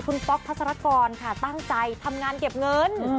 คุณป๊อกพัศรกรค่ะตั้งใจทำงานเก็บเงิน